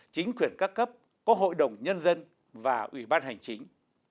chính quyền các cấp có hội đồng nhân dân và ủy ban hành chính